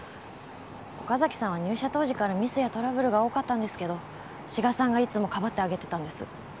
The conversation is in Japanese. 岡崎さんは入社当時からミスやトラブルが多かったんですけど志賀さんがいつもかばってあげてたんです。